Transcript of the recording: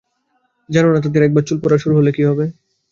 জানো না তাদের একবার চুল পড়া শুরু হলে কী হবে?